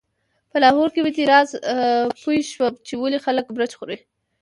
په لاهور کې په دې راز پوی شوم چې ولې خلک مرچ خوري.